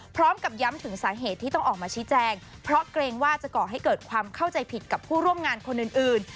พร้อมกับย้ำถึงสาเหตุที่ต้องออกมาชี้แจงเพราะเกรงว่าจะก่อให้เกิดความเข้าใจผิดกับผู้ร่วมงานคนอื่น